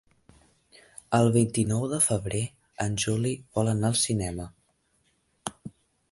El vint-i-nou de febrer en Juli vol anar al cinema.